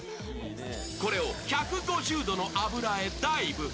これを１５０度の油へダイブ。